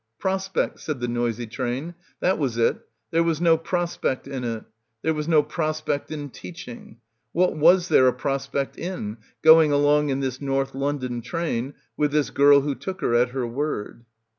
Prospect, said the noisy train. That was it, there was no prospect in it. There was no prospect in teaching. What was there a prospect in, going along in this North London train with this girl who took her at her word?